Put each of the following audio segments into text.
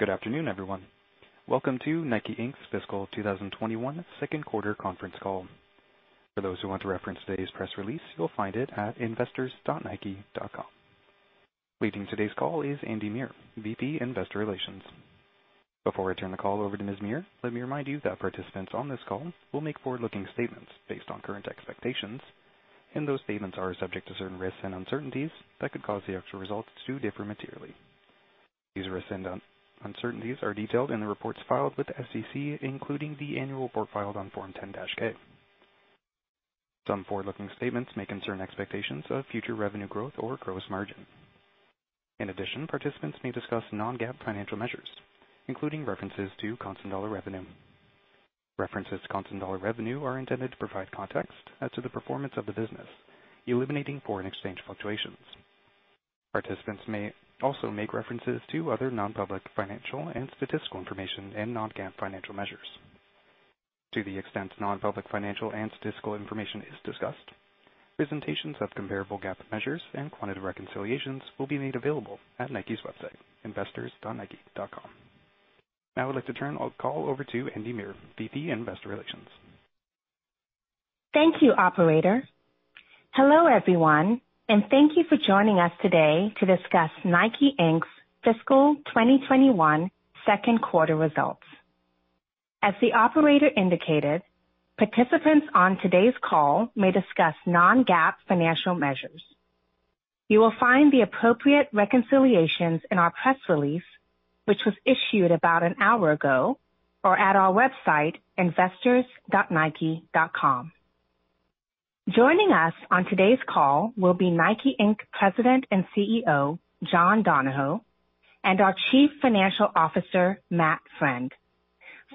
Good afternoon, everyone. Welcome to Nike Inc's Fiscal 2021 Second Quarter Conference Call. For those who want to reference today's press release, you'll find it at investors.nike.com. Leading today's call is Andy Muir, VP Investor Relations. Before I turn the call over to Ms. Muir, let me remind you that participants on this call will make forward-looking statements based on current expectations, and those statements are subject to certain risks and uncertainties that could cause the actual results to differ materially. These risks and uncertainties are detailed in the reports filed with the SEC, including the annual report filed on Form 10-K. Some forward-looking statements may concern expectations of future revenue growth or gross margin. In addition, participants may discuss non-GAAP financial measures, including references to constant dollar revenue. References to constant dollar revenue are intended to provide context as to the performance of the business, eliminating foreign exchange fluctuations. Participants may also make references to other non-public financial and statistical information and non-GAAP financial measures. To the extent non-public financial and statistical information is discussed, presentations of comparable GAAP measures and quantitative reconciliations will be made available at Nike's website, investors.nike.com. Now I'd like to turn the call over to Andy Muir, VP, Investor Relations. Thank you, operator. Hello, everyone, and thank you for joining us today to discuss Nike Inc's Fiscal 2021 Second Quarter Results. As the operator indicated, participants on today's call may discuss non-GAAP financial measures. You will find the appropriate reconciliations in our press release, which was issued about an hour ago, or at our website, investors.nike.com. Joining us on today's call will be Nike Inc President and CEO, John Donahoe, and our Chief Financial Officer, Matt Friend.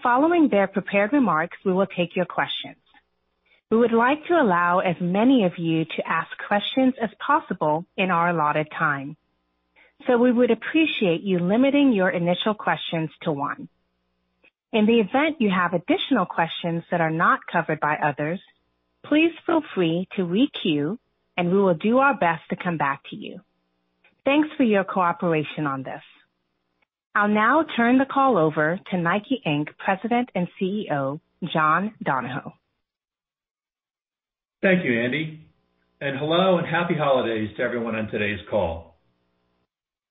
Following their prepared remarks, we will take your questions. We would like to allow as many of you to ask questions as possible in our allotted time. We would appreciate you limiting your initial questions to one. In the event you have additional questions that are not covered by others, please feel free to re-queue, and we will do our best to come back to you. Thanks for your cooperation on this. I'll now turn the call over to Nike Inc President and CEO, John Donahoe. Thank you, Andy. Hello, and happy holidays to everyone on today's call.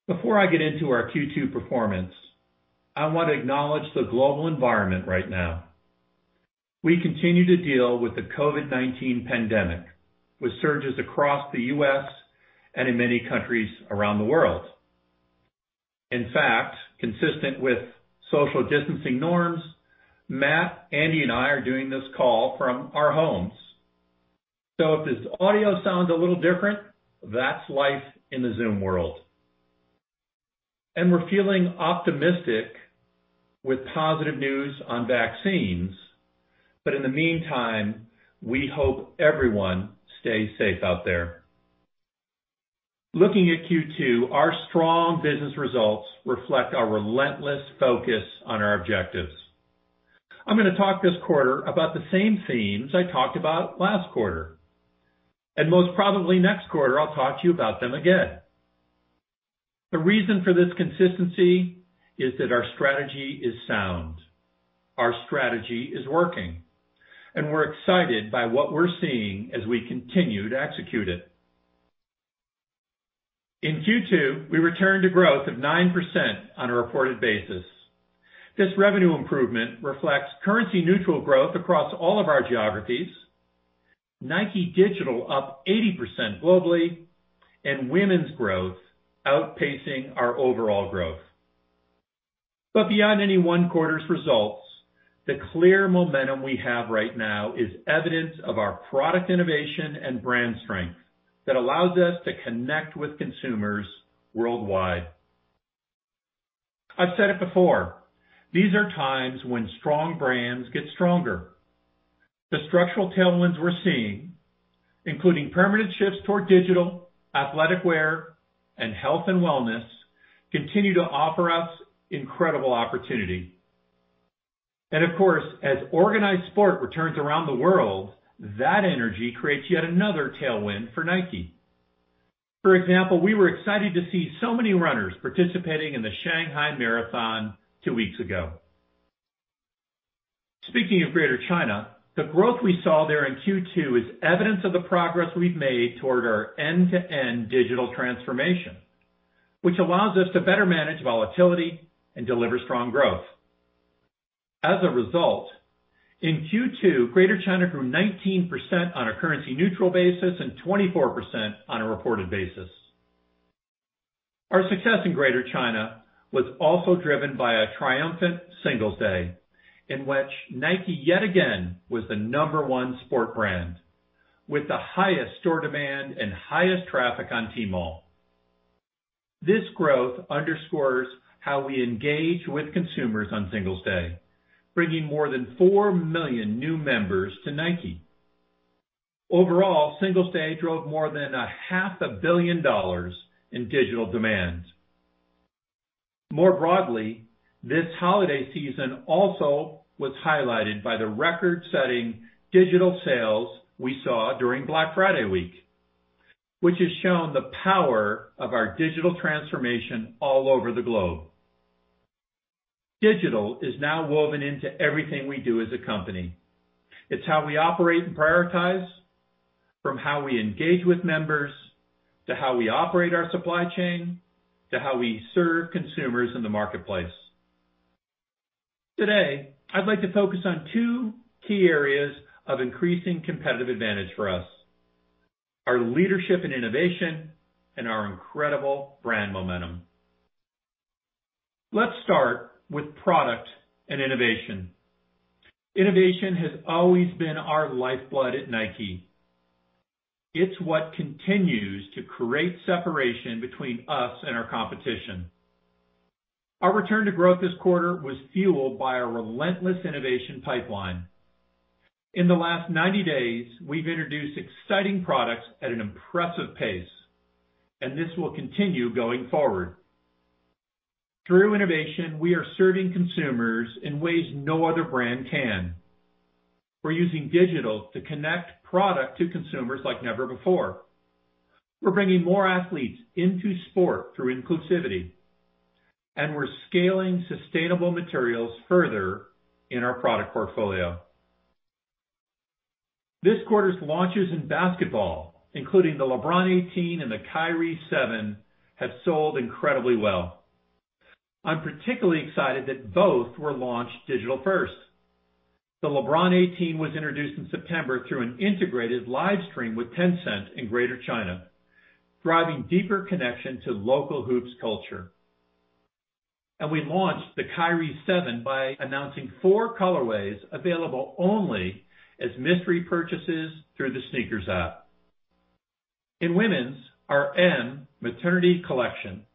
Before I get into our Q2 performance, I want to acknowledge the global environment right now. We continue to deal with the COVID-19 pandemic, with surges across the U.S. and in many countries around the world. In fact, consistent with social distancing norms, Matt, Andy, and I are doing this call from our homes. If this audio sounds a little different, that's life in the Zoom world. We're feeling optimistic with positive news on vaccines. In the meantime, we hope everyone stays safe out there. Looking at Q2, our strong business results reflect our relentless focus on our objectives. I'm going to talk this quarter about the same themes I talked about last quarter. Most probably next quarter, I'll talk to you about them again. The reason for this consistency is that our strategy is sound. Our strategy is working, and we're excited by what we're seeing as we continue to execute it. In Q2, we returned to growth of 9% on a reported basis. This revenue improvement reflects currency neutral growth across all of our geographies, Nike Digital up 80% globally, and women's growth outpacing our overall growth. Beyond any one quarter's results, the clear momentum we have right now is evidence of our product innovation and brand strength that allows us to connect with consumers worldwide. I've said it before, these are times when strong brands get stronger. The structural tailwinds we're seeing, including permanent shifts toward digital, athletic wear, and health and wellness, continue to offer us incredible opportunity. Of course, as organized sport returns around the world, that energy creates yet another tailwind for Nike. For example, we were excited to see so many runners participating in the Shanghai Marathon two weeks ago. Speaking of Greater China, the growth we saw there in Q2 is evidence of the progress we've made toward our end-to-end digital transformation, which allows us to better manage volatility and deliver strong growth. In Q2, Greater China grew 19% on a currency neutral basis and 24% on a reported basis. Our success in Greater China was also driven by a triumphant Singles Day, in which Nike, yet again, was the number one sport brand with the highest store demand and highest traffic on Tmall. This growth underscores how we engage with consumers on Singles Day, bringing more than four million new members to Nike. Singles Day drove more than a half a billion dollars in digital demand. More broadly, this holiday season also was highlighted by the record-setting digital sales we saw during Black Friday week. Which has shown the power of our digital transformation all over the globe. Digital is now woven into everything we do as a company. It's how we operate and prioritize, from how we engage with members, to how we operate our supply chain, to how we serve consumers in the marketplace. Today, I'd like to focus on two key areas of increasing competitive advantage for us, our leadership and innovation, and our incredible brand momentum. Let's start with product and innovation. Innovation has always been our lifeblood at Nike. It's what continues to create separation between us and our competition. Our return to growth this quarter was fueled by our relentless innovation pipeline. In the last 90 days, we've introduced exciting products at an impressive pace, and this will continue going forward. Through innovation, we are serving consumers in ways no other brand can. We're using digital to connect product to consumers like never before. We're bringing more athletes into sport through inclusivity. We're scaling sustainable materials further in our product portfolio. This quarter's launches in basketball, including the LeBron 18 and the Kyrie 7, have sold incredibly well. I'm particularly excited that both were launched digital first. The LeBron 18 was introduced in September through an integrated live stream with Tencent in Greater China, driving deeper connection to local hoops culture. We launched the Kyrie 7 by announcing four colorways available only as mystery purchases through the SNKRS App. In women's, our M Maternity collection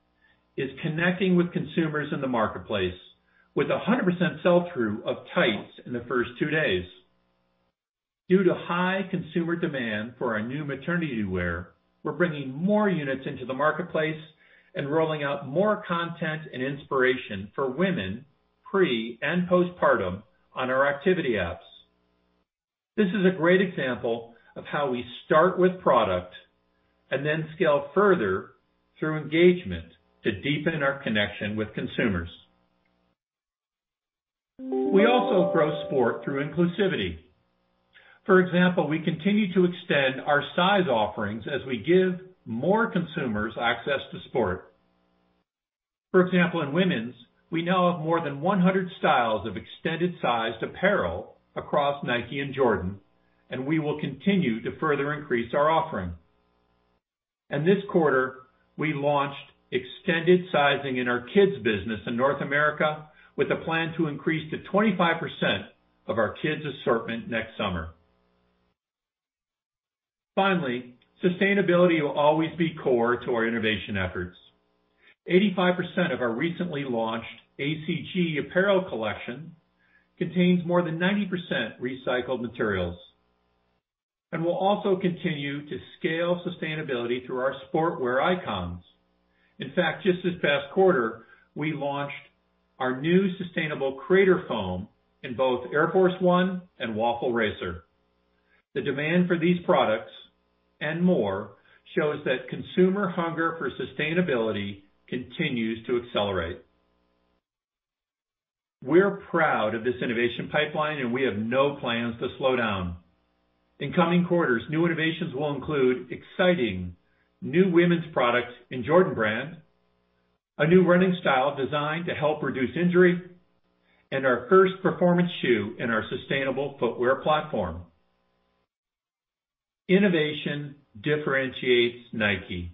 is connecting with consumers in the marketplace with 100% sell-through of tights in the first two days. Due to high consumer demand for our new maternity wear, we're bringing more units into the marketplace and rolling out more content and inspiration for women, pre and postpartum on our activity apps. This is a great example of how we start with product and then scale further through engagement to deepen our connection with consumers. We also grow sport through inclusivity. For example, we continue to extend our size offerings as we give more consumers access to sport. For example, in women's, we now have more than 100 styles of extended sized apparel across Nike and Jordan, and we will continue to further increase our offering. This quarter, we launched extended sizing in our kids business in North America with a plan to increase to 25% of our kids assortment next summer. Finally, sustainability will always be core to our innovation efforts. 85% of our recently launched ACG apparel collection contains more than 90% recycled materials. We'll also continue to scale sustainability through our sportswear icons. In fact, just this past quarter, we launched our new sustainable Crater Foam in both Air Force 1 and Waffle Racer. The demand for these products and more shows that consumer hunger for sustainability continues to accelerate. We're proud of this innovation pipeline, and we have no plans to slow down. In coming quarters, new innovations will include exciting new women's products in Jordan Brand, a new running style designed to help reduce injury, and our first performance shoe in our sustainable footwear platform. Innovation differentiates Nike.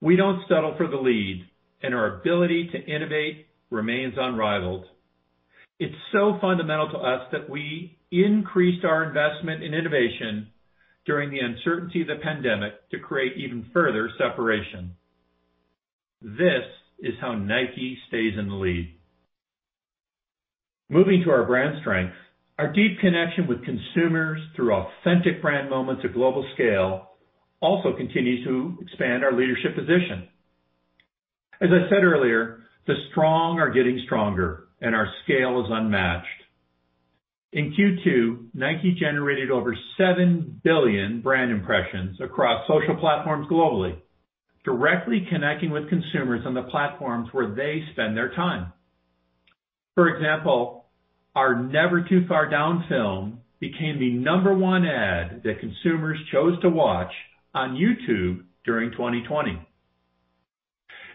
We don't settle for the lead, and our ability to innovate remains unrivaled. It's so fundamental to us that we increased our investment in innovation during the uncertainty of the pandemic to create even further separation. This is how Nike stays in the lead. Moving to our brand strength, our deep connection with consumers through authentic brand moments at global scale also continues to expand our leadership position. As I said earlier, the strong are getting stronger, and our scale is unmatched. In Q2, Nike generated over seven billion brand impressions across social platforms globally, directly connecting with consumers on the platforms where they spend their time. For example, our Never Too Far Down film became the number one ad that consumers chose to watch on YouTube during 2020.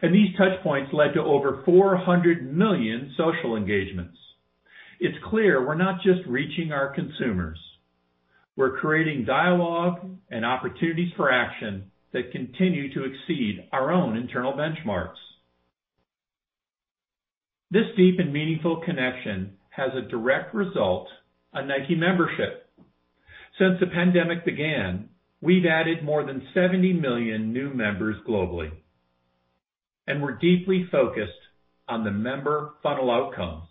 These touch points led to over 400 million social engagements. It's clear we're not just reaching our consumers. We're creating dialogue and opportunities for action that continue to exceed our own internal benchmarks. This deep and meaningful connection has a direct result on Nike membership. Since the pandemic began, we've added more than 70 million new members globally, and we're deeply focused on the member funnel outcomes,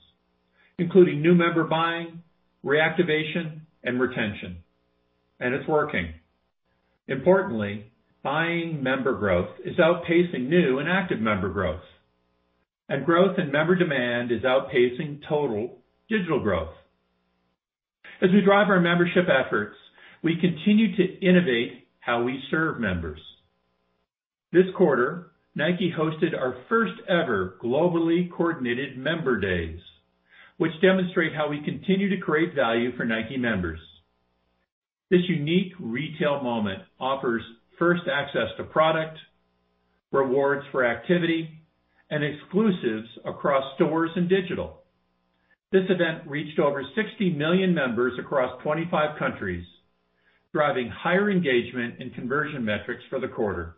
including new member buying, reactivation, and retention. It's working. Importantly, buying member growth is outpacing new and active member growth. Growth in member demand is outpacing total digital growth. As we drive our membership efforts, we continue to innovate how we serve members. This quarter, Nike hosted our first ever globally coordinated Member Days, which demonstrate how we continue to create value for Nike members. This unique retail moment offers first access to product, rewards for activity, and exclusives across stores and digital. This event reached over 60 million members across 25 countries, driving higher engagement and conversion metrics for the quarter.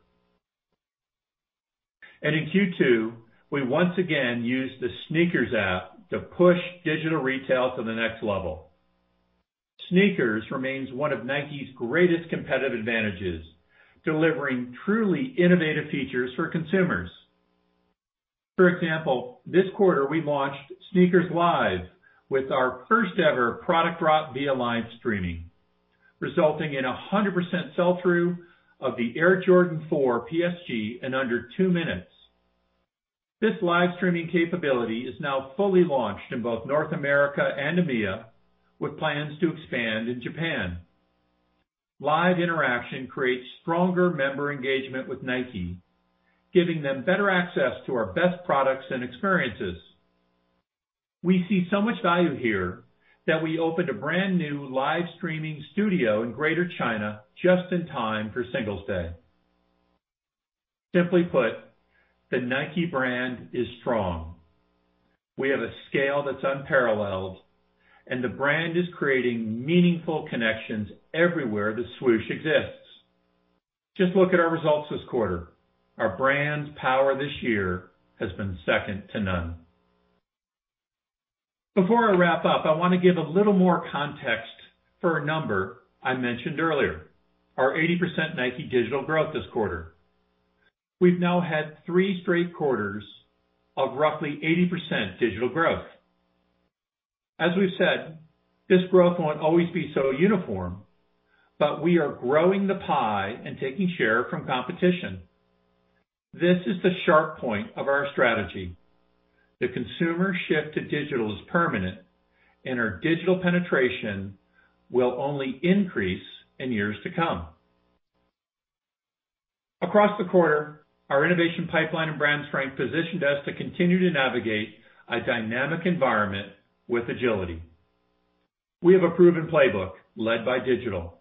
In Q2, we once again used the SNKRS app to push digital retail to the next level. SNKRS remains one of Nike's greatest competitive advantages, delivering truly innovative features for consumers. For example, this quarter, we launched SNKRS Live with our first ever product drop via live streaming, resulting in 100% sell-through of the Air Jordan 4 PSG in under two minutes. This live streaming capability is now fully launched in both North America and EMEA, with plans to expand in Japan. Live interaction creates stronger member engagement with Nike, giving them better access to our best products and experiences. We see so much value here that we opened a brand-new live streaming studio in Greater China just in time for Singles Day. Simply put, the Nike brand is strong. We have a scale that's unparalleled. The brand is creating meaningful connections everywhere the Swoosh exists. Just look at our results this quarter. Our brand's power this year has been second to none. Before I wrap up, I want to give a little more context for a number I mentioned earlier, our 80% Nike Digital growth this quarter. We've now had three straight quarters of roughly 80% Digital growth. As we've said, this growth won't always be so uniform, but we are growing the pie and taking share from competition. This is the sharp point of our strategy. The consumer shift to digital is permanent, and our digital penetration will only increase in years to come. Across the quarter, our innovation pipeline and brand strength positioned us to continue to navigate a dynamic environment with agility. We have a proven playbook led by digital.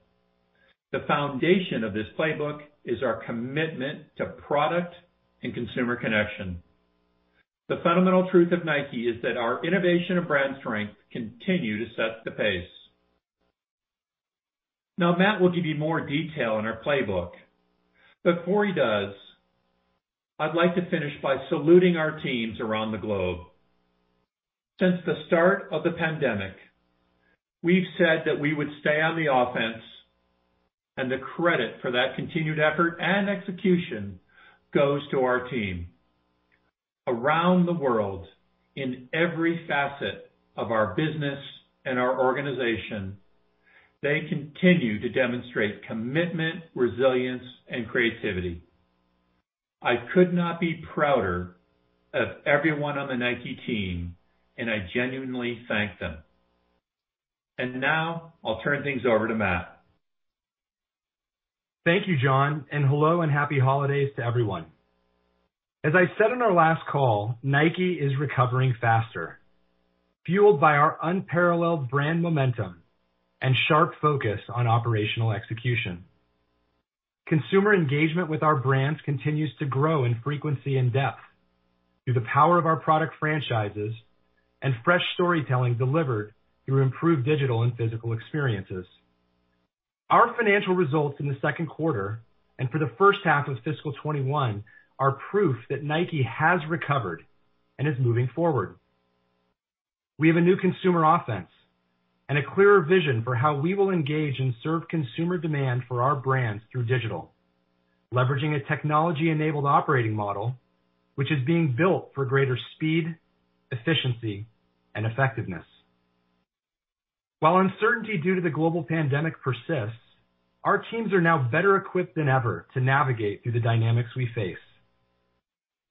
The foundation of this playbook is our commitment to product and consumer connection. The fundamental truth of Nike is that our innovation and brand strength continue to set the pace. Now, Matt will give you more detail on our playbook. Before he does, I'd like to finish by saluting our teams around the globe. Since the start of the pandemic, we've said that we would stay on the offense, and the credit for that continued effort and execution goes to our team. Around the world, in every facet of our business and our organization, they continue to demonstrate commitment, resilience, and creativity. I could not be prouder of everyone on the Nike team, and I genuinely thank them. Now I'll turn things over to Matt. Thank you, John, and hello and happy holidays to everyone. As I said on our last call, Nike is recovering faster, fueled by our unparalleled brand momentum and sharp focus on operational execution. Consumer engagement with our brands continues to grow in frequency and depth through the power of our product franchises and fresh storytelling delivered through improved digital and physical experiences. Our financial results in the second quarter and for the first half of fiscal 2021 are proof that Nike has recovered and is moving forward. We have a new consumer offense and a clearer vision for how we will engage and serve consumer demand for our brands through digital, leveraging a technology-enabled operating model, which is being built for greater speed, efficiency, and effectiveness. While uncertainty due to the global pandemic persists, our teams are now better equipped than ever to navigate through the dynamics we face.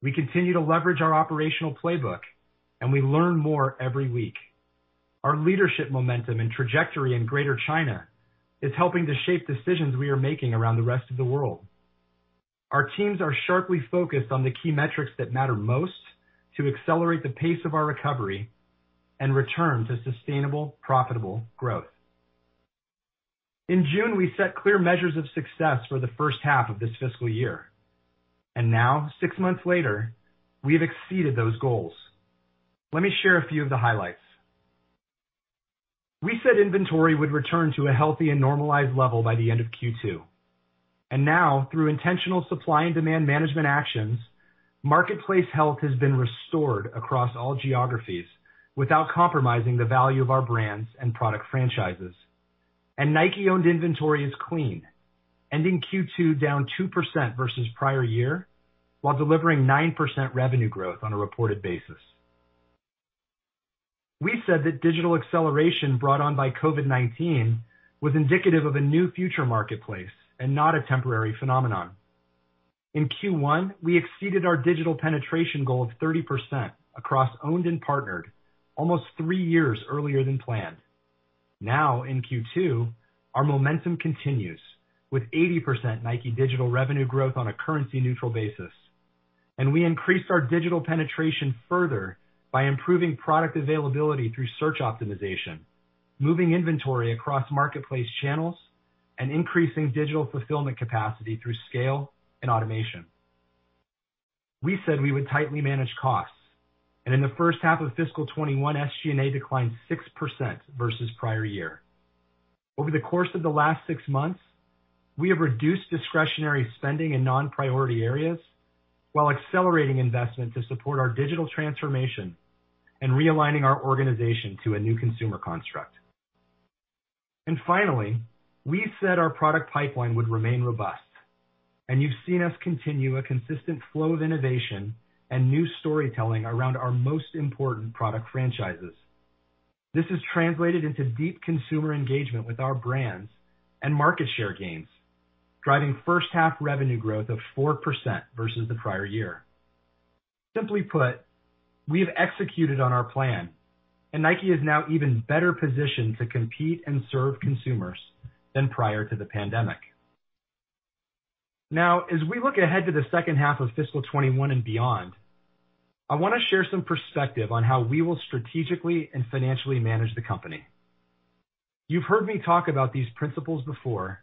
We continue to leverage our operational playbook and we learn more every week. Our leadership momentum and trajectory in Greater China is helping to shape decisions we are making around the rest of the world. Our teams are sharply focused on the key metrics that matter most to accelerate the pace of our recovery and return to sustainable, profitable growth. In June, we set clear measures of success for the first half of this fiscal year, and now six months later, we have exceeded those goals. Let me share a few of the highlights. We said inventory would return to a healthy and normalized level by the end of Q2. Now, through intentional supply and demand management actions, marketplace health has been restored across all geographies without compromising the value of our brands and product franchises. Nike-owned inventory is clean, ending Q2 down 2% versus prior year while delivering 9% revenue growth on a reported basis. We said that digital acceleration brought on by COVID-19 was indicative of a new future marketplace and not a temporary phenomenon. In Q1, we exceeded our digital penetration goal of 30% across owned and partnered almost three years earlier than planned. Now, in Q2, our momentum continues with 80% Nike Digital revenue growth on a currency-neutral basis. We increased our digital penetration further by improving product availability through search optimization, moving inventory across marketplace channels, and increasing digital fulfillment capacity through scale and automation. We said we would tightly manage costs, and in the first half of fiscal 2021, SG&A declined 6% versus the prior year. Over the course of the last six months, we have reduced discretionary spending in non-priority areas while accelerating investment to support our digital transformation and realigning our organization to a new consumer construct. Finally, we said our product pipeline would remain robust, and you've seen us continue a consistent flow of innovation and new storytelling around our most important product franchises. This has translated into deep consumer engagement with our brands and market share gains, driving first half revenue growth of 4% versus the prior year. Simply put, we've executed on our plan, Nike is now even better positioned to compete and serve consumers than prior to the pandemic. Now, as we look ahead to the second half of fiscal 2021 and beyond, I want to share some perspective on how we will strategically and financially manage the company. You've heard me talk about these principles before,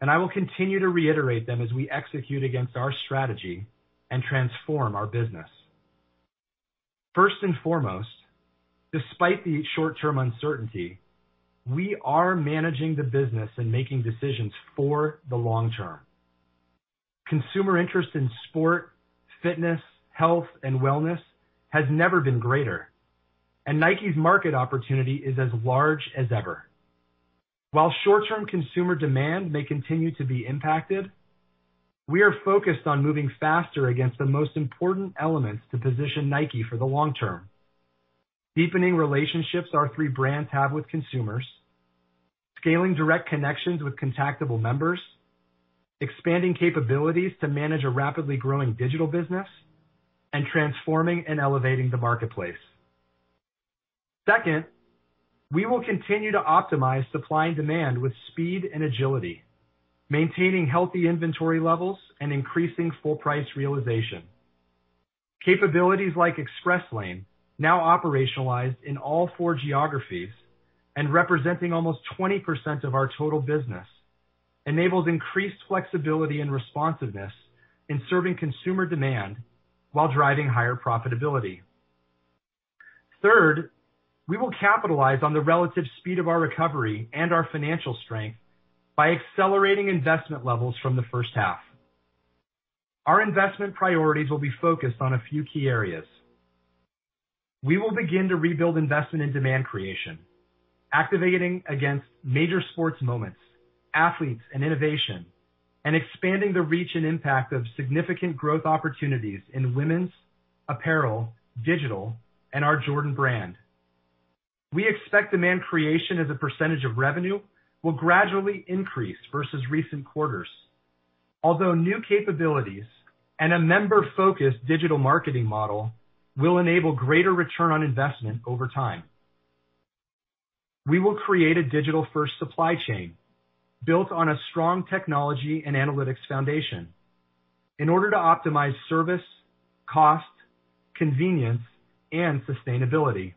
and I will continue to reiterate them as we execute against our strategy and transform our business. First and foremost, despite the short-term uncertainty, we are managing the business and making decisions for the long term. Consumer interest in sport, fitness, health, and wellness has never been greater, and Nike's market opportunity is as large as ever. While short-term consumer demand may continue to be impacted, we are focused on moving faster against the most important elements to position Nike for the long term, deepening relationships our three brands have with consumers, scaling direct connections with contactable members, expanding capabilities to manage a rapidly growing digital business, and transforming and elevating the marketplace. Second, we will continue to optimize supply and demand with speed and agility, maintaining healthy inventory levels and increasing full price realization. Capabilities like Express Lane, now operationalized in all four geographies and representing almost 20% of our total business, enables increased flexibility and responsiveness in serving consumer demand while driving higher profitability. Third, we will capitalize on the relative speed of our recovery and our financial strength by accelerating investment levels from the first half. Our investment priorities will be focused on a few key areas. We will begin to rebuild investment in demand creation, activating against major sports moments, athletes, and innovation, and expanding the reach and impact of significant growth opportunities in women's apparel, digital, and our Jordan Brand. We expect demand creation as a percentage of revenue will gradually increase versus recent quarters. Although new capabilities and a member-focused digital marketing model will enable greater return on investment over time. We will create a digital-first supply chain built on a strong technology and analytics foundation in order to optimize service, cost, convenience, and sustainability.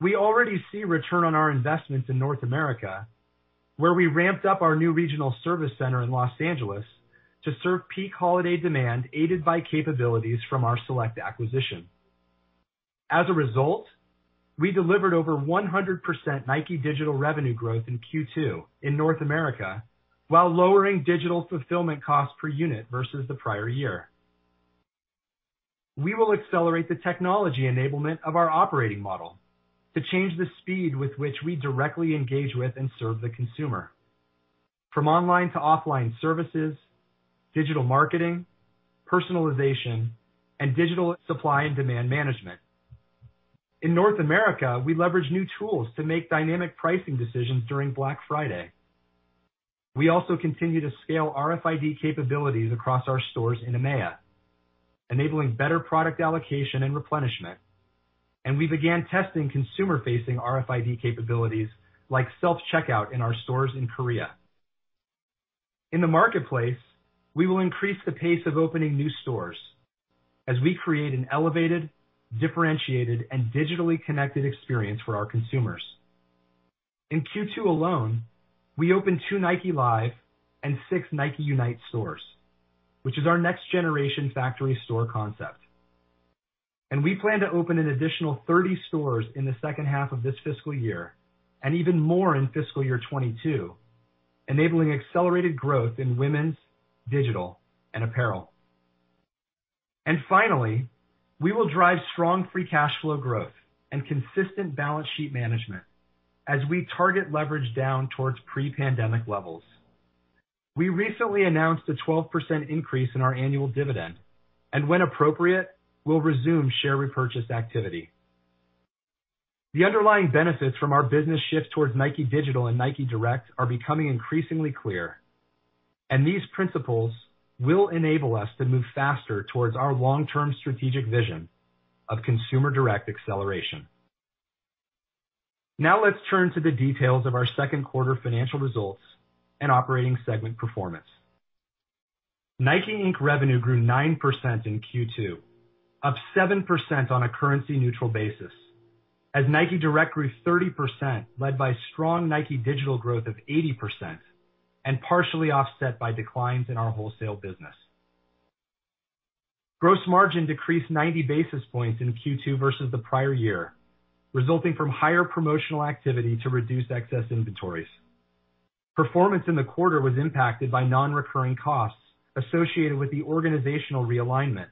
We already see return on our investments in North America, where we ramped up our new regional service center in Los Angeles to serve peak holiday demand aided by capabilities from our Celect acquisition. As a result, we delivered over 100% Nike Digital revenue growth in Q2 in North America while lowering digital fulfillment cost per unit versus the prior year. We will accelerate the technology enablement of our operating model to change the speed with which we directly engage with and serve the consumer, from online to offline services, digital marketing, personalization, and digital supply and demand management. In North America, we leverage new tools to make dynamic pricing decisions during Black Friday. We also continue to scale RFID capabilities across our stores in EMEA, enabling better product allocation and replenishment, we began testing consumer-facing RFID capabilities like self-checkout in our stores in Korea. In the marketplace, we will increase the pace of opening new stores as we create an elevated, differentiated, and digitally connected experience for our consumers. In Q2 alone, we opened two Nike Live and six Nike Unite stores, which is our next-generation factory store concept. We plan to open an additional 30 stores in the second half of this fiscal year and even more in fiscal year 2022, enabling accelerated growth in women's, digital, and apparel. Finally, we will drive strong free cash flow growth and consistent balance sheet management as we target leverage down towards pre-pandemic levels. We recently announced a 12% increase in our annual dividend, and when appropriate, we'll resume share repurchase activity. The underlying benefits from our business shift towards Nike Digital and Nike Direct are becoming increasingly clear, and these principles will enable us to move faster towards our long-term strategic vision of Consumer Direct Acceleration. Let's turn to the details of our second quarter financial results and operating segment performance. Nike Inc revenue grew 9% in Q2, up 7% on a currency neutral basis, as Nike Direct grew 30%, led by strong Nike Digital growth of 80%, and partially offset by declines in our wholesale business. Gross margin decreased 90 basis points in Q2 versus the prior year, resulting from higher promotional activity to reduce excess inventories. Performance in the quarter was impacted by non-recurring costs associated with the organizational realignment,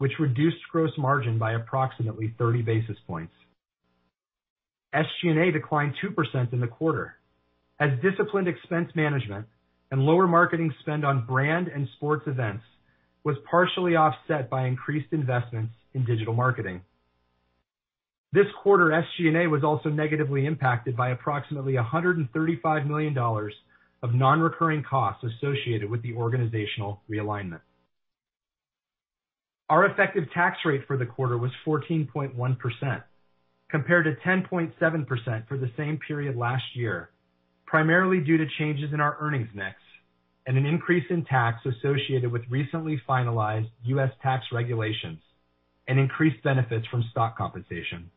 which reduced gross margin by approximately 30 basis points. SG&A declined 2% in the quarter. Disciplined expense management and lower marketing spend on brand and sports events was partially offset by increased investments in digital marketing. This quarter, SG&A was also negatively impacted by approximately $135 million of non-recurring costs associated with the organizational realignment. Our effective tax rate for the quarter was 14.1%, compared to 10.7% for the same period last year, primarily due to changes in our earnings mix and an increase in tax associated with recently finalized U.S. tax regulations and increased benefits from stock compensation.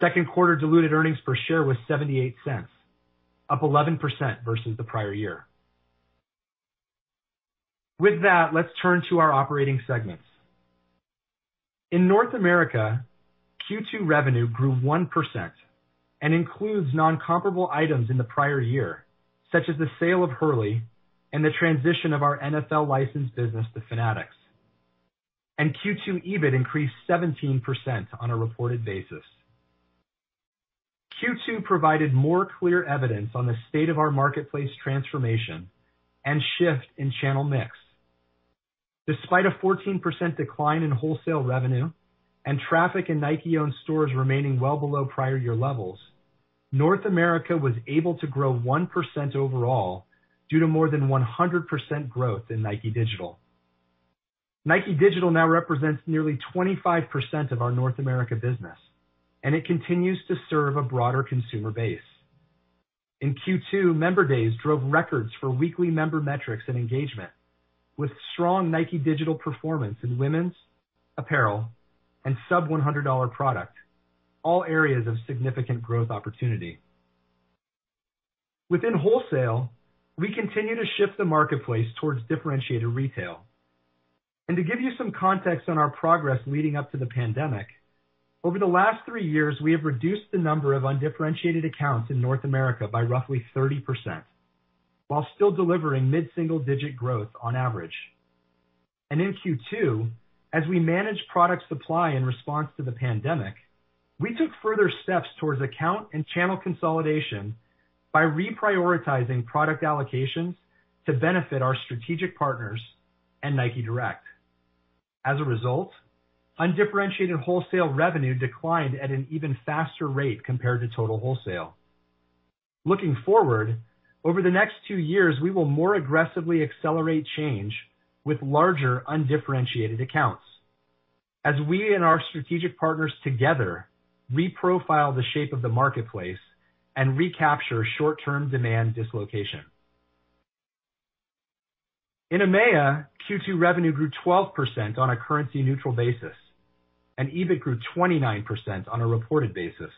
Second quarter diluted earnings per share was $0.78, up 11% versus the prior year. Let's turn to our operating segments. In North America, Q2 revenue grew 1% and includes non-comparable items in the prior year, such as the sale of Hurley and the transition of our NFL licensed business to Fanatics. Q2 EBIT increased 17% on a reported basis. Q2 provided more clear evidence on the state of our marketplace transformation and shift in channel mix. Despite a 14% decline in wholesale revenue and traffic in Nike owned stores remaining well below prior year levels, North America was able to grow 1% overall due to more than 100% growth in Nike Digital. Nike Digital now represents nearly 25% of our North America business, and it continues to serve a broader consumer base. In Q2, member days drove records for weekly member metrics and engagement with strong Nike Digital performance in women's apparel and sub-$100 product, all areas of significant growth opportunity. Within wholesale, we continue to shift the marketplace towards differentiated retail. To give you some context on our progress leading up to the pandemic, over the last three years, we have reduced the number of undifferentiated accounts in North America by roughly 30%, while still delivering mid-single digit growth on average. In Q2, as we manage product supply in response to the pandemic, we took further steps towards account and channel consolidation by reprioritizing product allocations to benefit our strategic partners and Nike Direct. As a result, undifferentiated wholesale revenue declined at an even faster rate compared to total wholesale. Looking forward, over the next two years, we will more aggressively accelerate change with larger undifferentiated accounts as we and our strategic partners together reprofile the shape of the marketplace and recapture short-term demand dislocation. In EMEA, Q2 revenue grew 12% on a currency neutral basis, and EBIT grew 29% on a reported basis.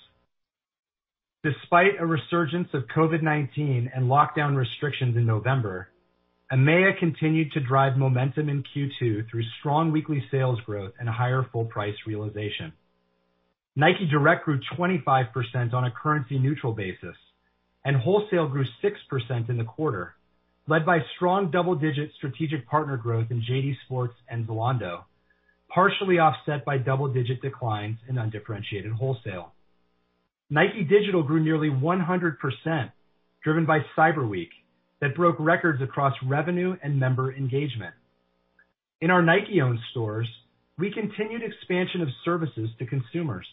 Despite a resurgence of COVID-19 and lockdown restrictions in November, EMEA continued to drive momentum in Q2 through strong weekly sales growth and a higher full price realization. Nike Direct grew 25% on a currency neutral basis, and wholesale grew 6% in the quarter, led by strong double-digit strategic partner growth in JD Sports and Zalando, partially offset by double-digit declines in undifferentiated wholesale. Nike Digital grew nearly 100%, driven by Cyber Week that broke records across revenue and member engagement. In our Nike owned stores, we continued expansion of services to consumers.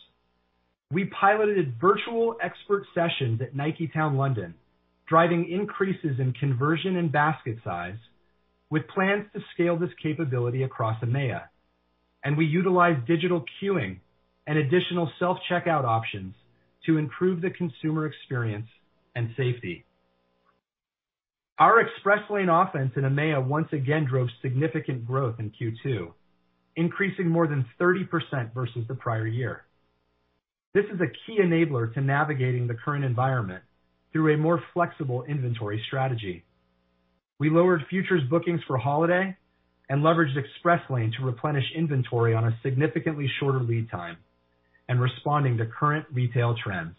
We piloted virtual expert sessions at Niketown London, driving increases in conversion and basket size with plans to scale this capability across EMEA. We utilized digital queuing and additional self-checkout options to improve the consumer experience and safety. Our Express Lane offense in EMEA once again drove significant growth in Q2, increasing more than 30% versus the prior year. This is a key enabler to navigating the current environment through a more flexible inventory strategy. We lowered futures bookings for holiday and leveraged Express Lane to replenish inventory on a significantly shorter lead time and responding to current retail trends.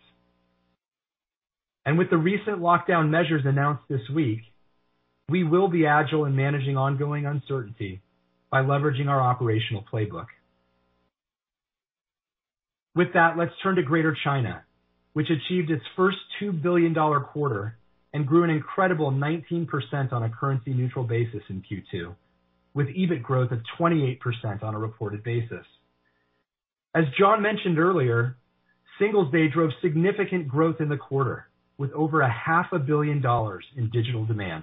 With the recent lockdown measures announced this week, we will be agile in managing ongoing uncertainty by leveraging our operational playbook. With that, let's turn to Greater China. Which achieved its first $2 billion quarter and grew an incredible 19% on a currency neutral basis in Q2, with EBIT growth of 28% on a reported basis. As John mentioned earlier, Singles Day drove significant growth in the quarter with over a half a billion dollars in digital demand.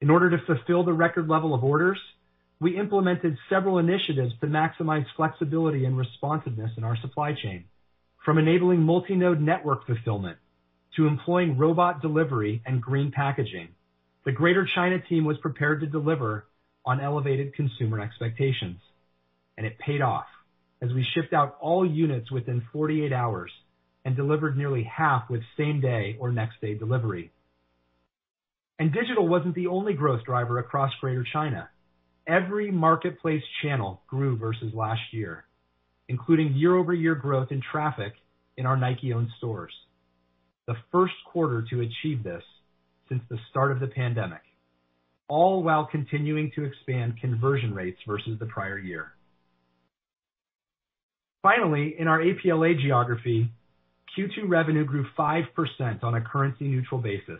In order to fulfill the record level of orders, we implemented several initiatives to maximize flexibility and responsiveness in our supply chain. From enabling multi-node network fulfillment to employing robot delivery and green packaging, the Greater China team was prepared to deliver on elevated consumer expectations. It paid off as we shipped out all units within 48 hours and delivered nearly half with same-day or next-day delivery. Digital wasn't the only growth driver across Greater China. Every marketplace channel grew versus last year, including year-over-year growth in traffic in our Nike-owned stores. The first quarter to achieve this since the start of the pandemic, all while continuing to expand conversion rates versus the prior year. Finally, in our APLA geography, Q2 revenue grew 5% on a currency neutral basis,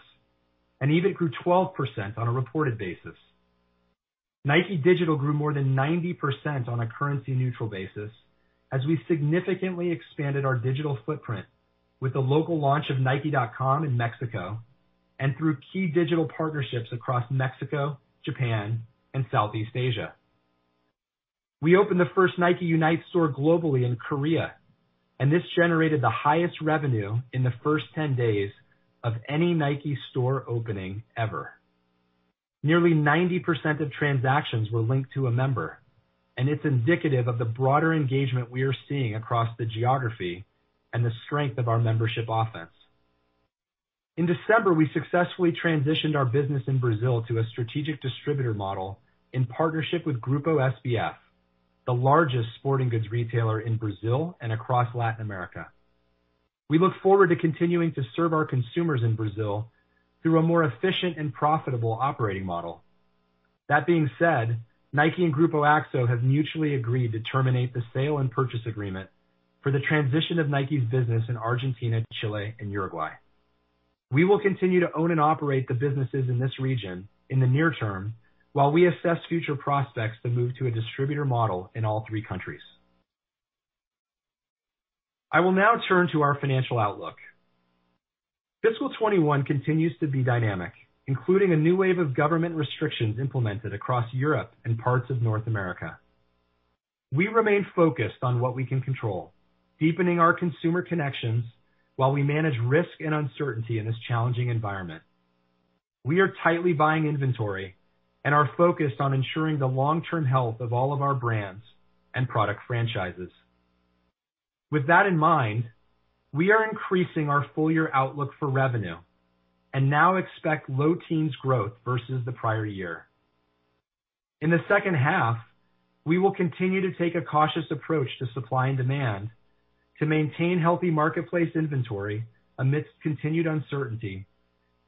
even grew 12% on a reported basis. Nike Digital grew more than 90% on a currency neutral basis as we significantly expanded our digital footprint with the local launch of nike.com in Mexico and through key digital partnerships across Mexico, Japan, and Southeast Asia. We opened the first Nike Unite store globally in Korea, and this generated the highest revenue in the first 10 days of any Nike store opening ever. Nearly 90% of transactions were linked to a member, and it's indicative of the broader engagement we are seeing across the geography and the strength of our membership offense. In December, we successfully transitioned our business in Brazil to a strategic distributor model in partnership with Grupo SBF, the largest sporting goods retailer in Brazil and across Latin America. We look forward to continuing to serve our consumers in Brazil through a more efficient and profitable operating model. That being said, Nike and Grupo Axo have mutually agreed to terminate the sale and purchase agreement for the transition of Nike's business in Argentina, Chile, and Uruguay. We will continue to own and operate the businesses in this region in the near term while we assess future prospects to move to a distributor model in all three countries. I will now turn to our financial outlook. Fiscal 2021 continues to be dynamic, including a new wave of government restrictions implemented across Europe and parts of North America. We remain focused on what we can control, deepening our consumer connections while we manage risk and uncertainty in this challenging environment. We are tightly buying inventory and are focused on ensuring the long-term health of all of our brands and product franchises. With that in mind, we are increasing our full year outlook for revenue and now expect low teens growth versus the prior year. In the second half, we will continue to take a cautious approach to supply and demand to maintain healthy marketplace inventory amidst continued uncertainty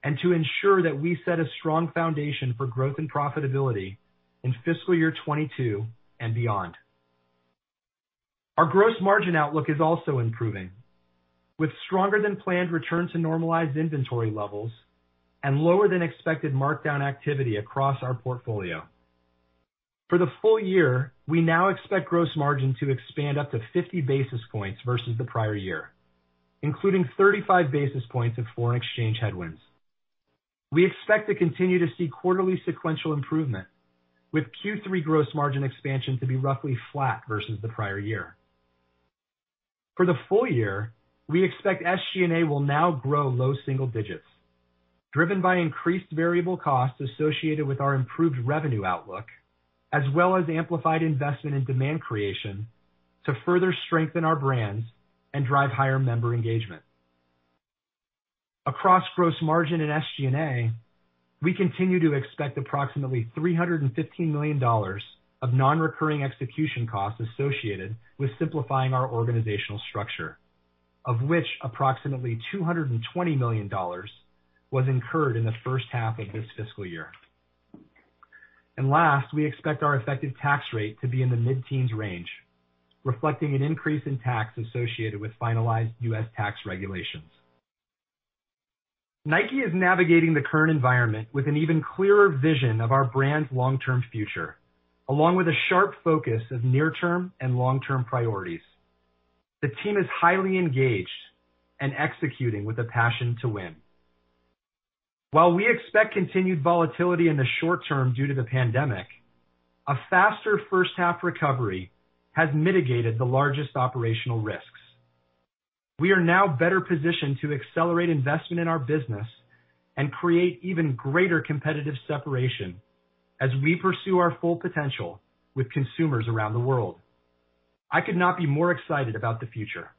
and to ensure that we set a strong foundation for growth and profitability in fiscal year 2022 and beyond. Our gross margin outlook is also improving with stronger than planned return to normalized inventory levels and lower than expected markdown activity across our portfolio. For the full year, we now expect gross margin to expand up to 50 basis points versus the prior year, including 35 basis points of foreign exchange headwinds. We expect to continue to see quarterly sequential improvement with Q3 gross margin expansion to be roughly flat versus the prior year. For the full year, we expect SG&A will now grow low single digits, driven by increased variable costs associated with our improved revenue outlook, as well as amplified investment in demand creation to further strengthen our brands and drive higher member engagement. Across gross margin and SG&A, we continue to expect approximately $315 million of non-recurring execution costs associated with simplifying our organizational structure, of which approximately $220 million was incurred in the first half of this fiscal year. Last, we expect our effective tax rate to be in the mid-teens range, reflecting an increase in tax associated with finalized U.S. tax regulations. Nike is navigating the current environment with an even clearer vision of our brand's long-term future, along with a sharp focus of near-term and long-term priorities. The team is highly engaged and executing with a passion to win. While we expect continued volatility in the short term due to the pandemic, a faster first half recovery has mitigated the largest operational risks. We are now better positioned to accelerate investment in our business and create even greater competitive separation as we pursue our full potential with consumers around the world. I could not be more excited about the future.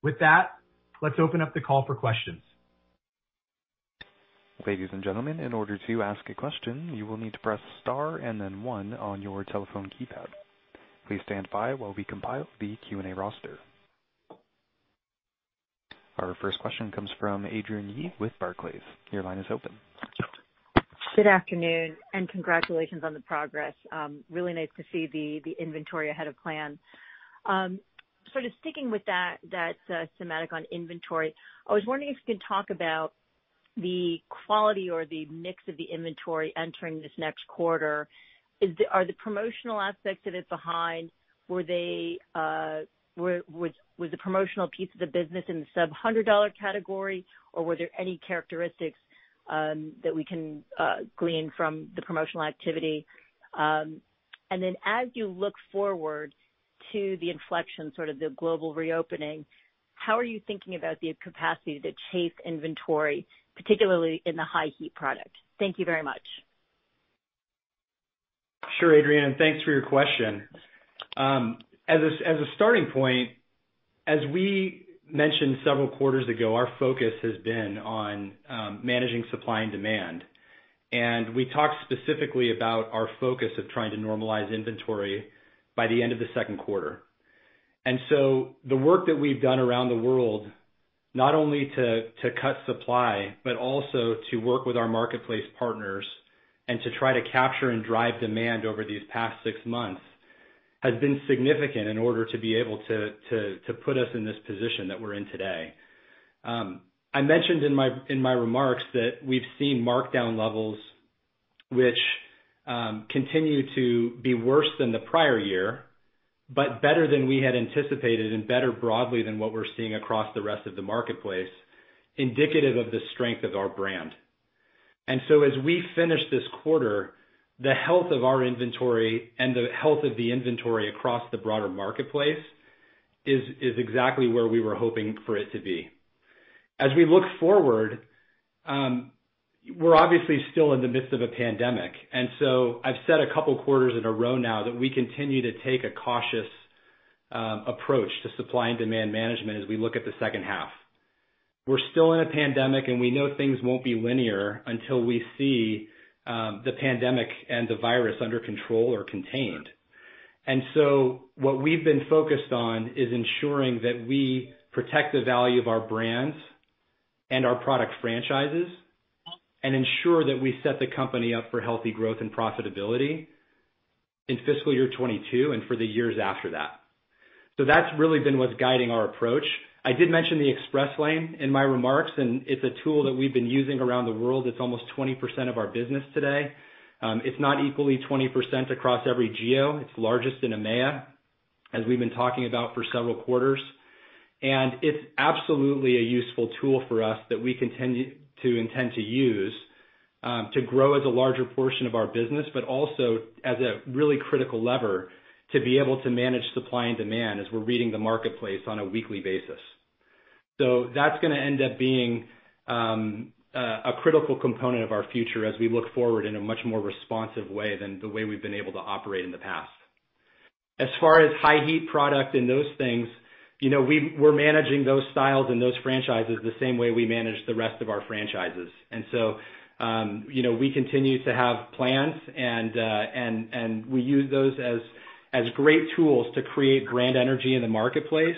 With that, let's open up the call for questions. Ladies and gentlemen, in order to ask a question, you will need to press star and then one on your telephone keypad. Please stand by while we compile the Q&A roster. Our first question comes from Adrienne Yih with Barclays. Your line is open. Good afternoon, and congratulations on the progress. Really nice to see the inventory ahead of plan. Sort of sticking with that thematic on inventory, I was wondering if you could talk about the quality or the mix of the inventory entering this next quarter. Are the promotional aspects of it behind? Was the promotional piece of the business in the sub-$100 category, or were there any characteristics that we can glean from the promotional activity? As you look forward to the inflection, sort of the global reopening, how are you thinking about the capacity to chase inventory, particularly in the high heat product? Thank you very much. Sure, Adrienne, thanks for your question. As a starting point, as we mentioned several quarters ago, our focus has been on managing supply and demand. We talked specifically about our focus of trying to normalize inventory by the end of the second quarter. The work that we've done around the world, not only to cut supply, but also to work with our marketplace partners and to try to capture and drive demand over these past six months, has been significant in order to be able to put us in this position that we're in today. I mentioned in my remarks that we've seen markdown levels, which continue to be worse than the prior year, better than we had anticipated and better broadly than what we're seeing across the rest of the marketplace, indicative of the strength of our brand. As we finish this quarter, the health of our inventory and the health of the inventory across the broader marketplace is exactly where we were hoping for it to be. As we look forward, we're obviously still in the midst of a pandemic. I've said a couple quarters in a row now that we continue to take a cautious approach to supply and demand management as we look at the second half. We're still in a pandemic, and we know things won't be linear until we see the pandemic and the virus under control or contained. What we've been focused on is ensuring that we protect the value of our brands and our product franchises and ensure that we set the company up for healthy growth and profitability in fiscal year 2022 and for the years after that. That's really been what's guiding our approach. I did mention the Express Lane in my remarks, and it's a tool that we've been using around the world. It's almost 20% of our business today. It's not equally 20% across every geo. It's largest in EMEA, as we've been talking about for several quarters. It's absolutely a useful tool for us that we intend to use to grow as a larger portion of our business, but also as a really critical lever to be able to manage supply and demand as we're reading the marketplace on a weekly basis. That's going to end up being a critical component of our future as we look forward in a much more responsive way than the way we've been able to operate in the past. As far as high heat product and those things, we're managing those styles and those franchises the same way we manage the rest of our franchises. We continue to have plans, and we use those as great tools to create brand energy in the marketplace,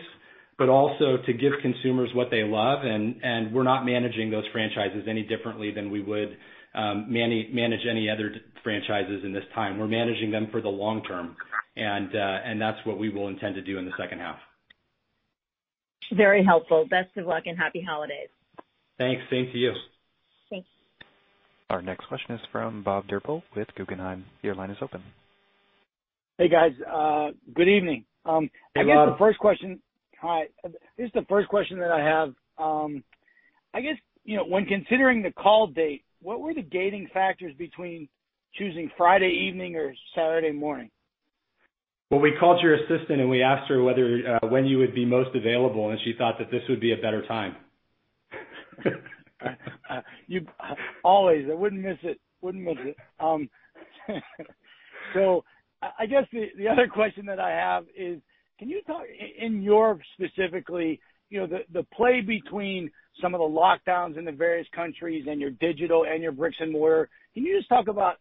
but also to give consumers what they love. We're not managing those franchises any differently than we would manage any other franchises in this time. We're managing them for the long term, and that's what we will intend to do in the second half. Very helpful. Best of luck, and happy holidays. Thanks. Same to you. Thanks. Our next question is from Bob Drbul with Guggenheim. Your line is open. Hey, guys. Good evening. Hey, Bob. Hi. This is the first question that I have. I guess, when considering the call date, what were the gating factors between choosing Friday evening or Saturday morning? Well, we called your assistant and we asked her when you would be most available, and she thought that this would be a better time. Always. I wouldn't miss it. I guess the other question that I have is, can you talk, in Europe specifically, the play between some of the lockdowns in the various countries and your digital and your bricks and mortar. Can you just talk about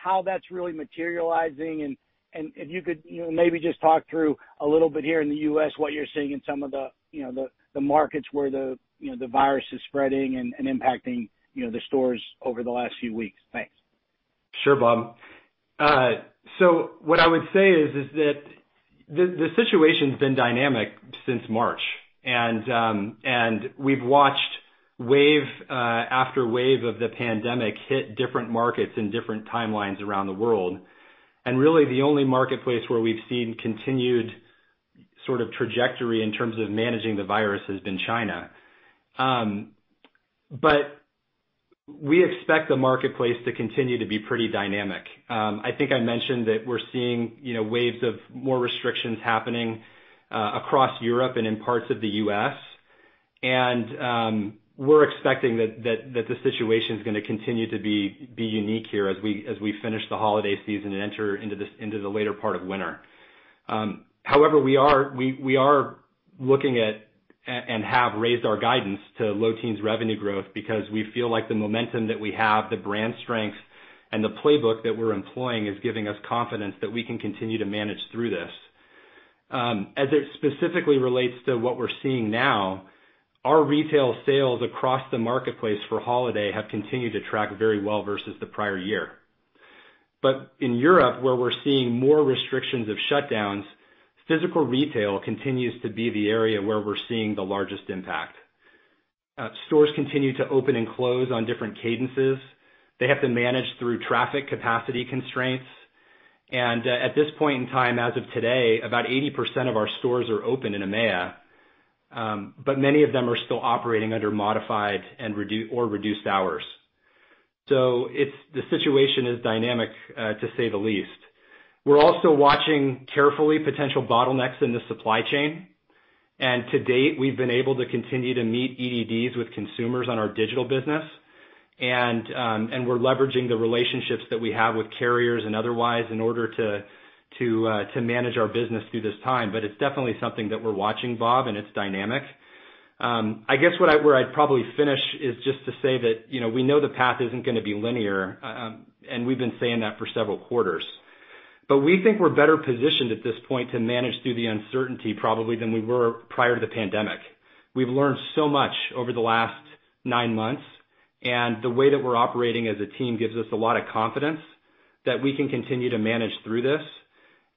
how that's really materializing? If you could maybe just talk through a little bit here in the U.S. what you're seeing in some of the markets where the virus is spreading and impacting the stores over the last few weeks. Thanks. Sure, Bob. What I would say is that the situation's been dynamic since March, and we've watched wave after wave of the pandemic hit different markets in different timelines around the world. Really, the only marketplace where we've seen continued sort of trajectory in terms of managing the virus has been China. We expect the marketplace to continue to be pretty dynamic. I think I mentioned that we're seeing waves of more restrictions happening across Europe and in parts of the U.S., and we're expecting that the situation is going to continue to be unique here as we finish the holiday season and enter into the later part of winter. However, we are looking at, and have raised our guidance to low teens revenue growth because we feel like the momentum that we have, the brand strength, and the playbook that we're employing is giving us confidence that we can continue to manage through this. As it specifically relates to what we're seeing now, our retail sales across the marketplace for holiday have continued to track very well versus the prior year. In Europe, where we're seeing more restrictions of shutdowns, physical retail continues to be the area where we're seeing the largest impact. Stores continue to open and close on different cadences. They have to manage through traffic capacity constraints. At this point in time, as of today, about 80% of our stores are open in EMEA, but many of them are still operating under modified or reduced hours. The situation is dynamic, to say the least. We're also watching carefully potential bottlenecks in the supply chain. To date, we've been able to continue to meet EDDs with consumers on our digital business. We're leveraging the relationships that we have with carriers and otherwise in order to manage our business through this time. It's definitely something that we're watching, Bob, and it's dynamic. I guess where I'd probably finish is just to say that, we know the path isn't going to be linear. We've been saying that for several quarters. We think we're better positioned at this point to manage through the uncertainty, probably, than we were prior to the pandemic. We've learned so much over the last nine months, and the way that we're operating as a team gives us a lot of confidence that we can continue to manage through this.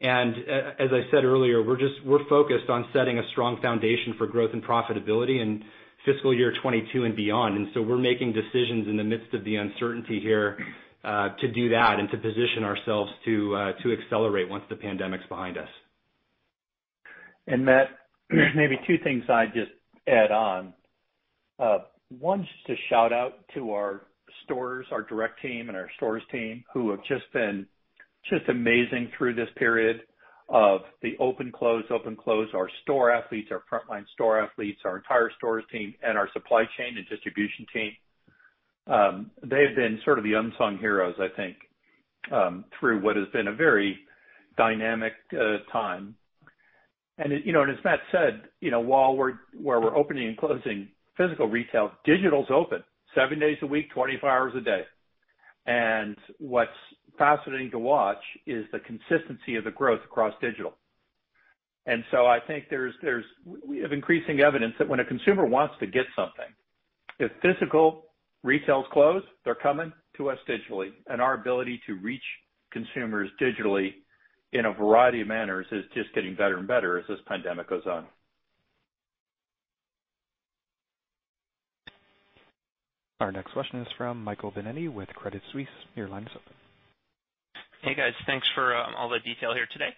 As I said earlier, we're focused on setting a strong foundation for growth and profitability in fiscal year 2022 and beyond. We're making decisions in the midst of the uncertainty here, to do that and to position ourselves to accelerate once the pandemic's behind us. Matt, maybe two things I'd just add on. One, just a shout-out to our stores, our direct team, and our stores team, who have just been amazing through this period of the open, close, open, close. Our store athletes, our frontline store athletes, our entire stores team, and our supply chain and distribution team, they have been sort of the unsung heroes, I think, through what has been a very dynamic time. As Matt said, where we're opening and closing physical retail, digital's open seven days a week, 24 hours a day. What's fascinating to watch is the consistency of the growth across digital. I think we have increasing evidence that when a consumer wants to get something, if physical retail is closed, they're coming to us digitally. Our ability to reach consumers digitally in a variety of manners is just getting better and better as this pandemic goes on. Our next question is from Michael Binetti with Credit Suisse. Your line is open. Hey, guys. Thanks for all the detail here today,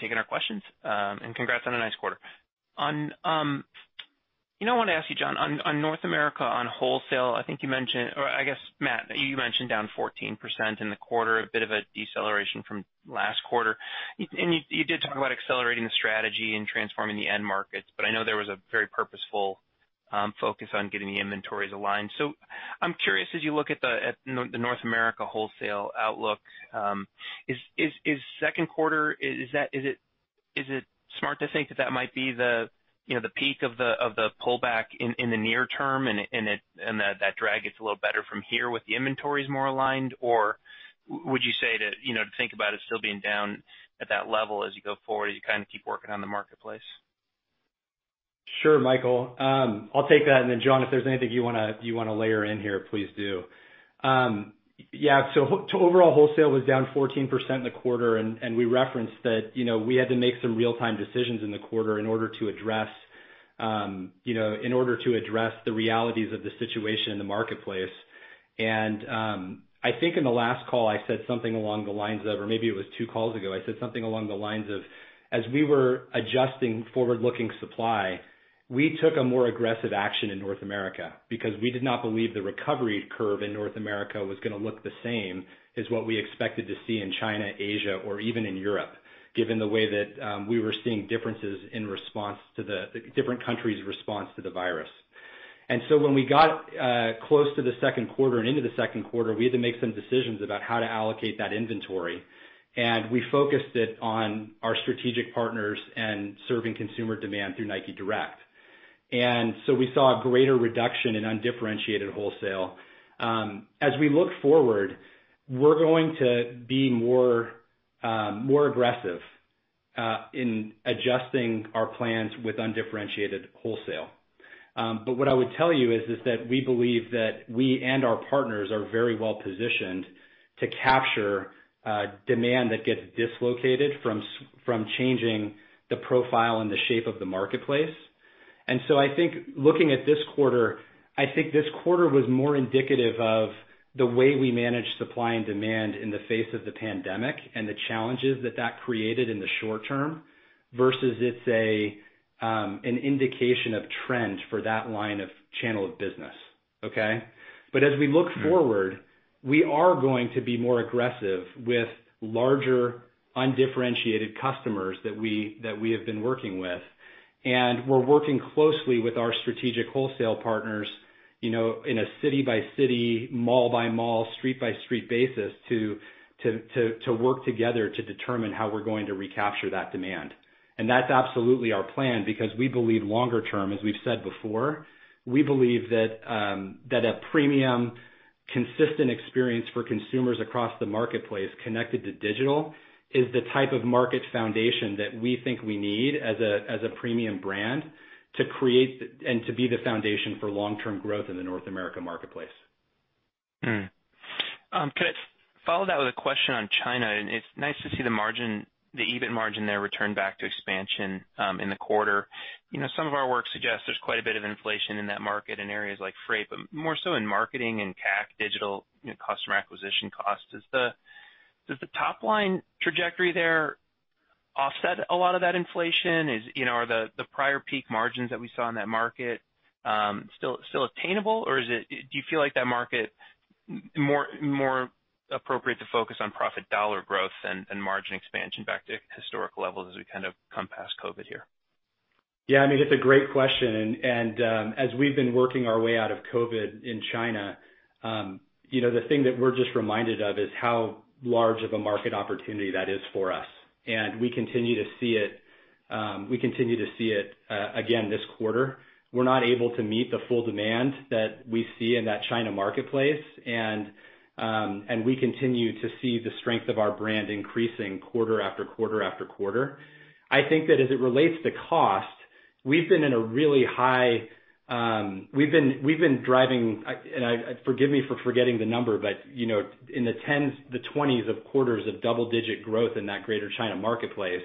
taking our questions. Congrats on a nice quarter. I want to ask you, John, on North America, on wholesale, I guess, Matt, you mentioned down 14% in the quarter, a bit of a deceleration from last quarter. You did talk about accelerating the strategy and transforming the end markets, but I know there was a very purposeful focus on getting the inventories aligned. I'm curious, as you look at the North America wholesale outlook, is second quarter, is it smart to think that that might be the peak of the pullback in the near term and that drag gets a little better from here with the inventories more aligned? Would you say to think about it still being down at that level as you go forward, as you kind of keep working on the marketplace? Sure, Michael. I'll take that. John, if there's anything you want to layer in here, please do. Overall, wholesale was down 14% in the quarter. We referenced that we had to make some real-time decisions in the quarter in order to address the realities of the situation in the marketplace. I think in the last call, I said something along the lines of, or maybe it was two calls ago, I said something along the lines of, as we were adjusting forward-looking supply, we took a more aggressive action in North America because we did not believe the recovery curve in North America was going to look the same as what we expected to see in China, Asia, or even in Europe, given the way that we were seeing differences in different countries' response to the virus. When we got close to the second quarter and into the second quarter, we had to make some decisions about how to allocate that inventory. We focused it on our strategic partners and serving consumer demand through Nike Direct. We saw a greater reduction in undifferentiated wholesale. As we look forward, we're going to be more aggressive in adjusting our plans with undifferentiated wholesale. What I would tell you is that we believe that we and our partners are very well positioned to capture demand that gets dislocated from changing the profile and the shape of the marketplace. I think looking at this quarter, I think this quarter was more indicative of the way we managed supply and demand in the face of the pandemic and the challenges that that created in the short term versus it's an indication of trend for that line of channel of business. Okay? As we look forward, we are going to be more aggressive with larger, undifferentiated customers that we have been working with. We're working closely with our strategic wholesale partners, in a city-by-city, mall-by-mall, street-by-street basis to work together to determine how we're going to recapture that demand. That's absolutely our plan because we believe longer term, as we've said before, we believe that a premium-consistent experience for consumers across the marketplace connected to digital is the type of market foundation that we think we need as a premium brand to create and to be the foundation for long-term growth in the North America marketplace. Could I follow that with a question on China? It's nice to see the EBIT margin there return back to expansion in the quarter. Some of our work suggests there's quite a bit of inflation in that market, in areas like freight, but more so in marketing and CAC digital, customer acquisition cost. Does the top line trajectory there offset a lot of that inflation? Are the prior peak margins that we saw in that market still attainable? Do you feel like that market more appropriate to focus on profit dollar growth than margin expansion back to historical levels as we kind of come past COVID-19 here? It's a great question, as we've been working our way out of COVID in China, the thing that we're just reminded of is how large of a market opportunity that is for us. We continue to see it again this quarter. We're not able to meet the full demand that we see in that China marketplace, and we continue to see the strength of our brand increasing quarter after quarter after quarter. I think that as it relates to cost, we've been driving, and forgive me for forgetting the number, but in the 10s, the 20s of quarters of double digit growth in that Greater China marketplace,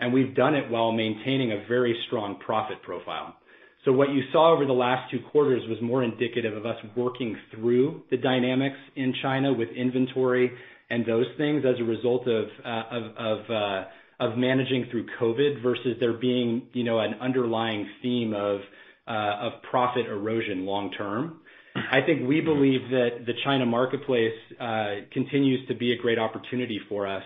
and we've done it while maintaining a very strong profit profile. What you saw over the last two quarters was more indicative of us working through the dynamics in China with inventory and those things as a result of managing through COVID versus there being an underlying theme of profit erosion long term. I think we believe that the China marketplace continues to be a great opportunity for us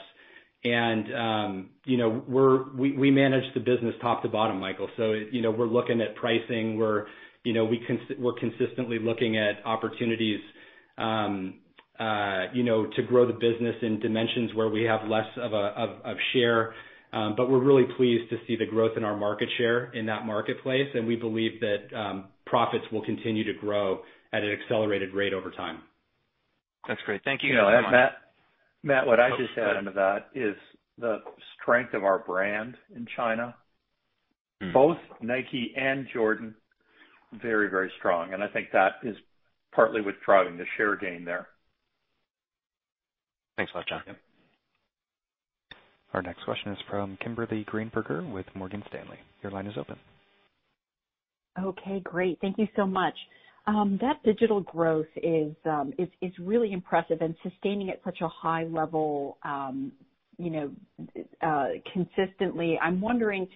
and we manage the business top to bottom, Michael. We're looking at pricing. We're consistently looking at opportunities to grow the business in dimensions where we have less of share. We're really pleased to see the growth in our market share in that marketplace, and we believe that profits will continue to grow at an accelerated rate over time. That's great. Thank you. Matt, what I just add onto that is the strength of our brand in China. Both Nike and Jordan, very, very strong, and I think that is partly what's driving the share gain there. Thanks a lot, John. Yeah. Our next question is from Kimberly Greenberger with Morgan Stanley. Your line is open. Okay, great. Thank you so much. That digital growth is really impressive and sustaining at such a high level consistently. I'm wondering,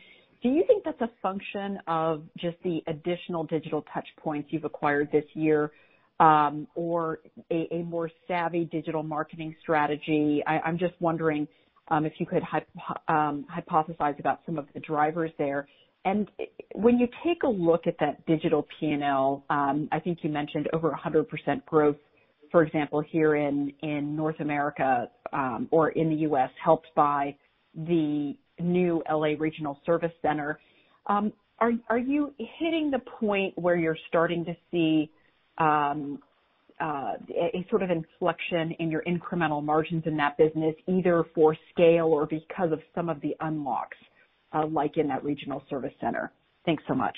do you think that's a function of just the additional digital touch points you've acquired this year or a more savvy digital marketing strategy? I'm just wondering if you could hypothesize about some of the drivers there. When you take a look at that digital P&L, I think you mentioned over 100% growth, for example, here in North America, or in the U.S., helped by the new L.A. regional service center. Are you hitting the point where you're starting to see a sort of inflection in your incremental margins in that business, either for scale or because of some of the unlocks, like in that regional service center? Thanks so much.